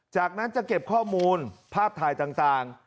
จากนั้นจะเก็บข้อมูลภาพถ่ายต่าง